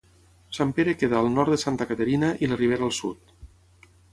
Sant Pere queda al nord de Santa Caterina i la Ribera al sud.